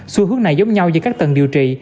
xu hướng này giống nhau giữa các tầng điều trị